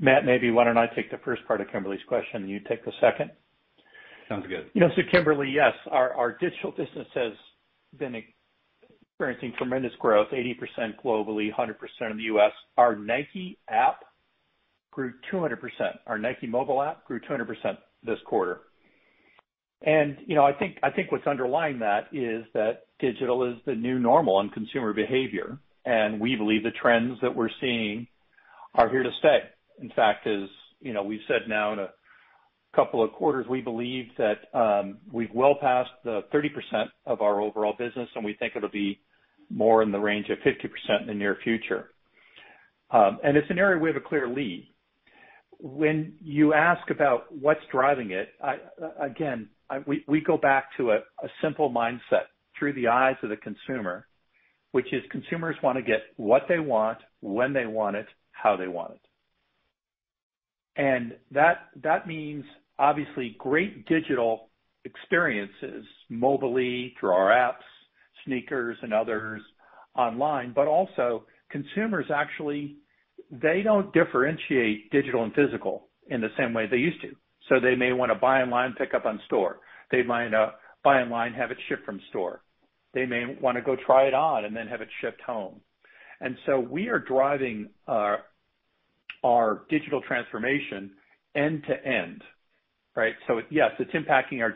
Matt, maybe why don't I take the first part of Kimberly's question, and you take the second? Sounds good. Kimberly, yes, our digital business has been experiencing tremendous growth, 80% globally, 100% in the U.S. Our Nike mobile app grew 200% this quarter. I think what's underlying that is that digital is the new normal in consumer behavior, and we believe the trends that we're seeing are here to stay. In fact, as we've said now in a couple of quarters, we believe that we've well passed the 30% of our overall business, and we think it'll be more in the range of 50% in the near future. It's an area we have a clear lead. When you ask about what's driving it, again, we go back to a simple mindset through the eyes of the consumer, which is consumers want to get what they want, when they want it, how they want it. That means, obviously, great digital experiences mobily, through our apps, SNKRS and others online, but also consumers actually, they don't differentiate digital and physical in the same way they used to. They may want to buy online, pick up in store. They might buy online, have it shipped from store. They may want to go try it on and then have it shipped home. We are driving our digital transformation end to end, right? Yes, it's impacting our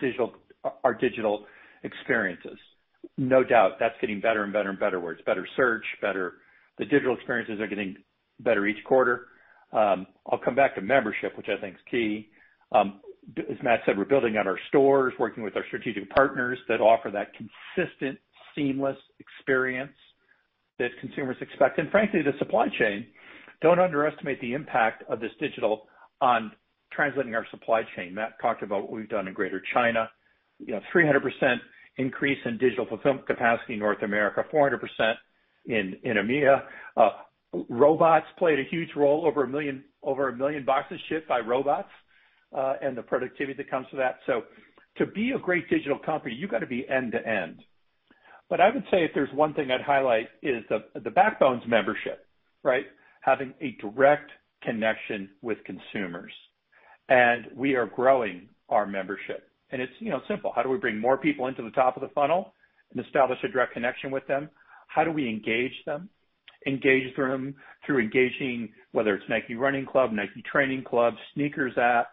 digital experiences. No doubt. That's getting better and better and better, where it's better search. The digital experiences are getting better each quarter. I'll come back to membership, which I think is key. As Matt said, we're building out our stores, working with our strategic partners that offer that consistent, seamless experience that consumers expect. Frankly, the supply chain, don't underestimate the impact of this digital on translating our supply chain. Matt talked about what we've done in Greater China 300% increase in digital fulfillment capacity in North America, 400% in EMEA. Robots played a huge role, over a million boxes shipped by robots, and the productivity that comes with that. To be a great digital company, you've got to be end to end. I would say if there's one thing I'd highlight, is the backbone's membership, right? Having a direct connection with consumers. We are growing our membership. It's simple. How do we bring more people into the top of the funnel and establish a direct connection with them? How do we engage them? Engage them through engaging, whether it's Nike Run Club, Nike Training Club, SNKRS app.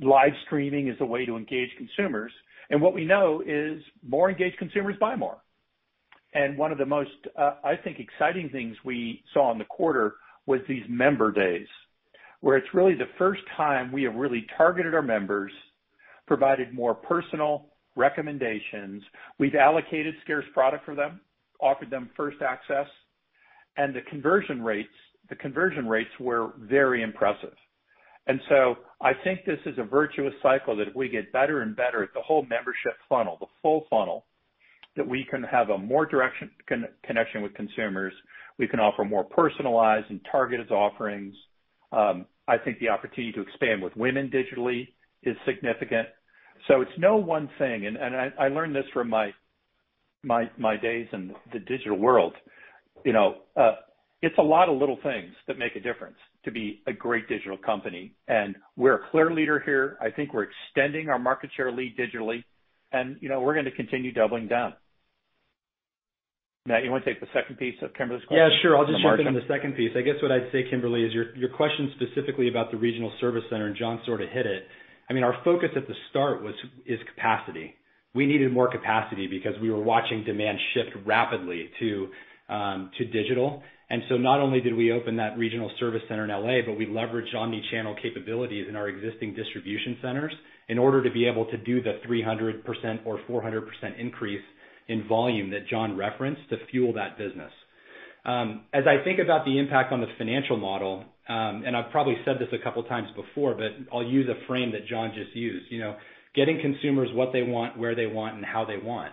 Live streaming is a way to engage consumers. What we know is more engaged consumers buy more. One of the most, I think, exciting things we saw in the quarter was these Member Days, where it's really the first time we have really targeted our members, provided more personal recommendations. We've allocated scarce product for them, offered them first access, and the conversion rates were very impressive. I think this is a virtuous cycle that if we get better and better at the whole membership funnel, the full funnel, that we can have a more direct connection with consumers. We can offer more personalized and targeted offerings. I think the opportunity to expand with women digitally is significant. It's no one thing, and I learned this from my days in the digital world. It's a lot of little things that make a difference to be a great digital company, and we're a clear leader here. I think we're extending our market share lead digitally, and we're going to continue doubling down. Matt, you want to take the second piece of Kimberly's question? Yeah, sure. I'll just jump in on the second piece. I guess what I'd say, Kimberly, is your question specifically about the regional service center, and John sort of hit it. Our focus at the start is capacity. We needed more capacity because we were watching demand shift rapidly to digital. Not only did we open that regional service center in L.A., but we leveraged omni-channel capabilities in our existing distribution centers in order to be able to do the 300% or 400% increase in volume that John referenced to fuel that business. As I think about the impact on the financial model, and I've probably said this a couple of times before, but I'll use a frame that John just used. Getting consumers what they want, where they want, and how they want.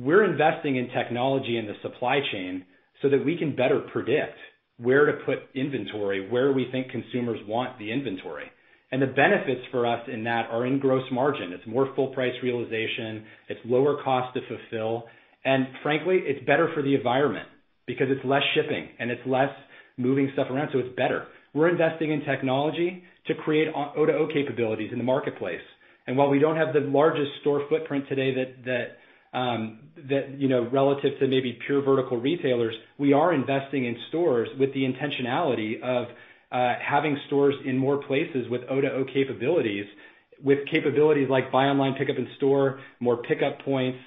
We're investing in technology in the supply chain so that we can better predict where to put inventory, where we think consumers want the inventory. The benefits for us in that are in gross margin. It's more full price realization. It's lower cost to fulfill. Frankly, it's better for the environment because it's less shipping and it's less moving stuff around, so it's better. We're investing in technology to create O2O capabilities in the marketplace. While we don't have the largest store footprint today that, relative to maybe pure vertical retailers, we are investing in stores with the intentionality of having stores in more places with O2O capabilities, with capabilities like buy online, pickup in store, more pickup points,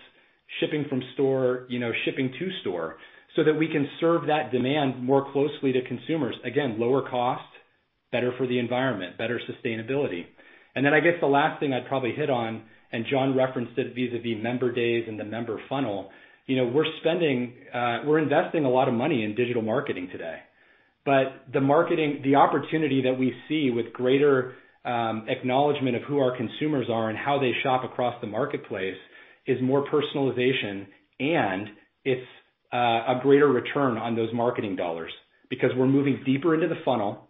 shipping from store, shipping to store, so that we can serve that demand more closely to consumers. Again, lower cost, better for the environment, better sustainability. I guess the last thing I'd probably hit on, John referenced it vis-a-vis member days and the member funnel. We're investing a lot of money in digital marketing today. The opportunity that we see with greater acknowledgement of who our consumers are and how they shop across the marketplace is more personalization and it's a greater return on those marketing dollars because we're moving deeper into the funnel.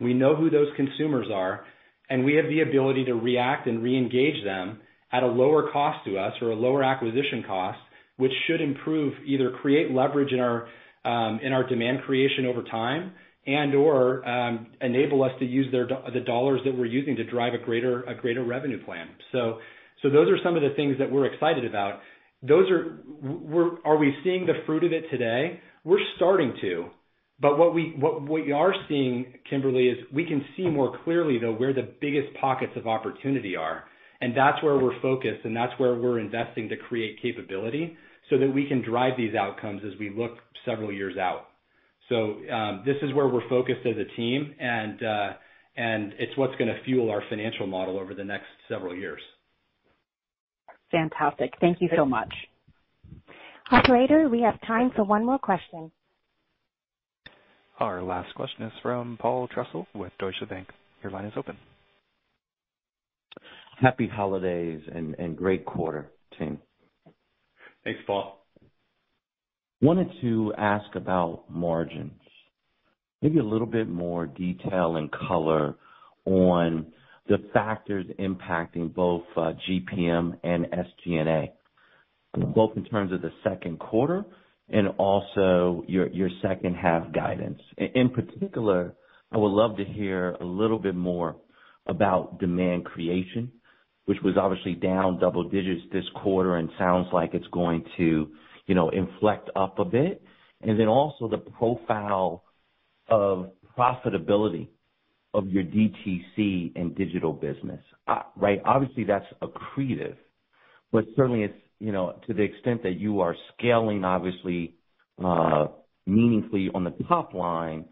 We know who those consumers are, and we have the ability to react and re-engage them at a lower cost to us or a lower acquisition cost, which should improve, either create leverage in our demand creation over time and/or enable us to use the dollars that we're using to drive a greater revenue plan. Those are some of the things that we're excited about. Are we seeing the fruit of it today? We're starting to. What we are seeing, Kimberly, is we can see more clearly, though, where the biggest pockets of opportunity are, and that's where we're focused, and that's where we're investing to create capability so that we can drive these outcomes as we look several years out. This is where we're focused as a team, and it's what's going to fuel our financial model over the next several years. Fantastic. Thank you so much. Operator, we have time for one more question. Our last question is from Paul Trussell with Deutsche Bank. Your line is open. Happy holidays and great quarter, team. Thanks, Paul. Wanted to ask about margins. Maybe a little bit more detail and color on the factors impacting both GPM and SG&A, both in terms of the second quarter and also your second half guidance. In particular, I would love to hear a little bit more about demand creation, which was obviously down double digits this quarter and sounds like it's going to inflect up a bit. Also the profile of profitability of your DTC and digital business. Obviously, that's accretive, certainly it's to the extent that you are scaling, obviously, meaningfully on the top line.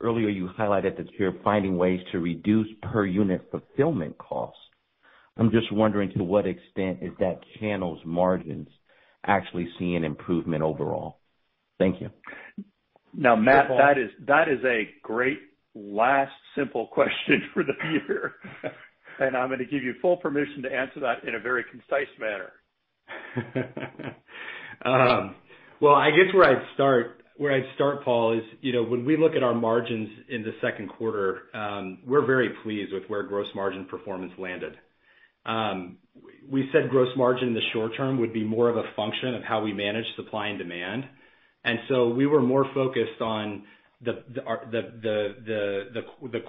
Earlier, you highlighted that you're finding ways to reduce per unit fulfillment costs. I'm just wondering to what extent is that channel's margins actually seeing improvement overall? Thank you. Now, Matt, that is a great last simple question for the year. I'm going to give you full permission to answer that in a very concise manner. Well, I guess where I'd start, Paul, is when we look at our margins in the second quarter, we're very pleased with where gross margin performance landed. We said gross margin in the short term would be more of a function of how we manage supply and demand. We were more focused on the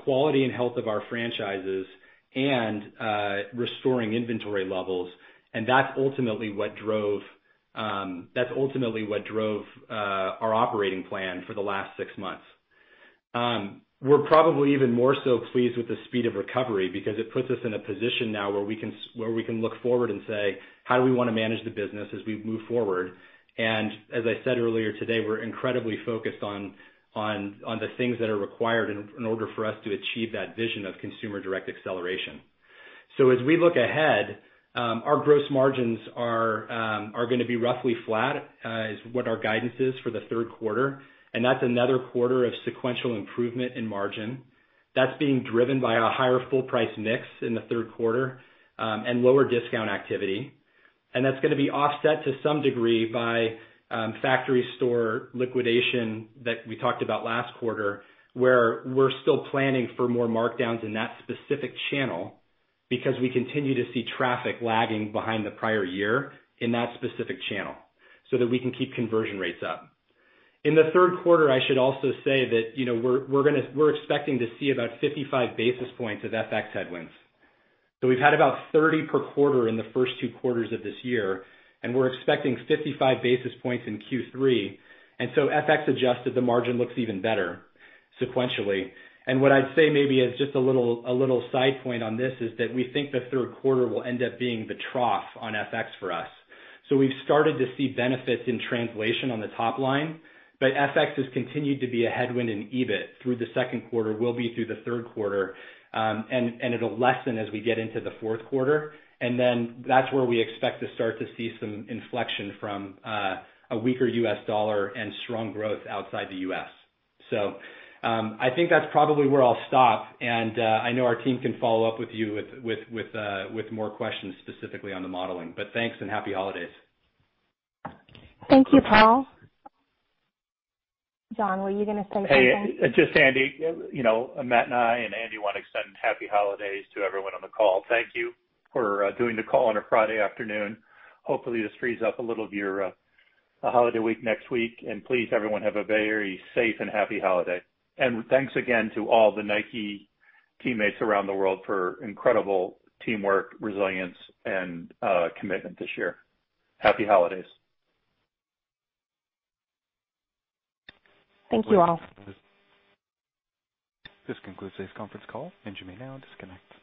quality and health of our franchises and restoring inventory levels. That's ultimately what drove our operating plan for the last six months. We're probably even more so pleased with the speed of recovery because it puts us in a position now where we can look forward and say, "How do we want to manage the business as we move forward?" As I said earlier today, we're incredibly focused on the things that are required in order for us to achieve that vision of Consumer Direct Acceleration. As we look ahead, our gross margins are going to be roughly flat, is what our guidance is for the third quarter. That's another quarter of sequential improvement in margin. That's being driven by a higher full price mix in the third quarter, and lower discount activity. That's going to be offset to some degree by factory store liquidation that we talked about last quarter, where we're still planning for more markdowns in that specific channel because we continue to see traffic lagging behind the prior year in that specific channel so that we can keep conversion rates up. In the third quarter, I should also say that we're expecting to see about 55 basis points of FX headwinds. We've had about 30 per quarter in the first two quarters of this year, and we're expecting 55 basis points in Q3. FX adjusted the margin looks even better sequentially. What I'd say maybe as just a little side point on this is that we think the third quarter will end up being the trough on FX for us. We've started to see benefits in translation on the top line, but FX has continued to be a headwind in EBIT through the second quarter, will be through the third quarter, and it'll lessen as we get into the fourth quarter. That's where we expect to start to see some inflection from a weaker U.S. dollar and strong growth outside the U.S. I think that's probably where I'll stop. I know our team can follow up with you with more questions specifically on the modeling. Thanks and happy holidays. Thank you, Paul. John, were you going to say something? Hey, just Andy. Matt and I and Andy want to extend happy holidays to everyone on the call. Thank you for doing the call on a Friday afternoon. Hopefully, this frees up a little of your holiday week next week. Please, everyone, have a very safe and happy holiday. Thanks again to all the Nike teammates around the world for incredible teamwork, resilience, and commitment this year. Happy holidays. Thank you all. This concludes this conference call. You may now disconnect.